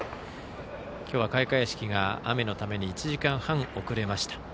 今日は開会式が雨のために１時間半遅れました。